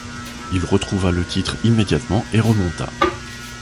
Il retrouva le titre immédiatement et remonta.